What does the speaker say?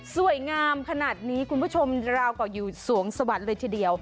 สวยงามขนาดนี้คุณผู้ชมราวก็อยู่สวงสวรรค์เลยทีเดียว